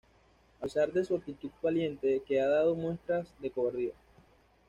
A pesar de su actitud valiente, que ha dado muestras de cobardía.